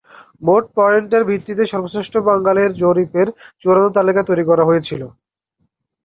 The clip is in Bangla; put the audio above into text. মোট পয়েন্টের ভিত্তিতে, সর্বশ্রেষ্ঠ বাঙালি জরিপের চূড়ান্ত তালিকা তৈরি করা হয়েছিল।